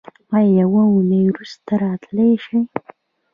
ایا یوه اونۍ وروسته راتلی شئ؟